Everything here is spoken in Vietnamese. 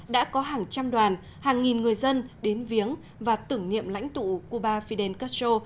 đã có hàng trăm đoàn hàng nghìn người dân đến viếng và tưởng niệm lãnh tụ cuba fidel castro